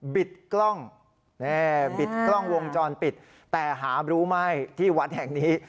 บิดกล้องบิดกล้องวงจรปิดแต่หารู้ไหมที่วัดแห่งนี้